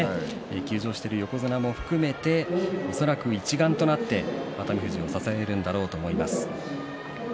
休場している横綱も含めて恐らく一丸となって熱海富士を支えるだろうと思います。